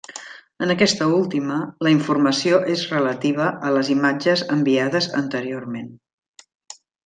En aquesta última, la informació és relativa a les imatges enviades anteriorment.